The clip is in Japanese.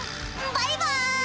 バイバイ！